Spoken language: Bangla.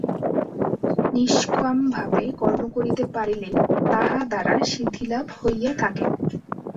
নিষ্কামভাবে কর্ম করিতে পারিলেই তাহা দ্বারা সিদ্ধিলাভ ইহয়া থাকে।